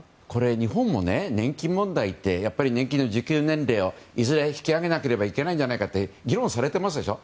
日本も年金問題って年金の受給年齢はいずれ引き上げなきゃいけないと議論されていますでしょ。